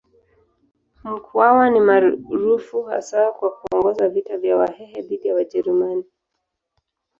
Mkwawa ni maarufu hasa kwa kuongoza vita vya Wahehe dhidi ya Wajerumani.